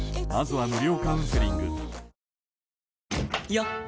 よっ！